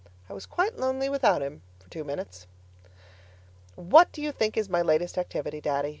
I was quite lonely without him for two minutes. What do you think is my latest activity, Daddy?